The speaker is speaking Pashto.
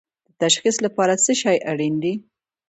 د تشخیص لپاره څه شی اړین دي؟